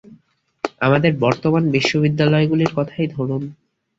আমাদের বর্তমান বিশ্ববিদ্যালয়গুলির কথা ধরুন।